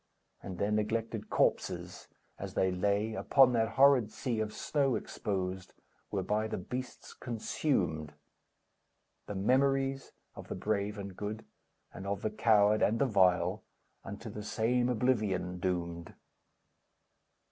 And their neglected corpses, as they lay Upon that horrid sea of snow exposed, Were by the beasts consumed; The memories of the brave and good, And of the coward and the vile, Unto the same oblivion doomed!